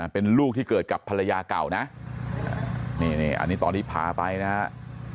เป็นลูกที่เกิดกับภรรยาเก่านะนี่อันนี้ตอนที่พาไปนะฮะ